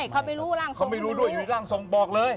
เขาไม่รู้ด้วยอยู่ในร่างทรงบอกเลย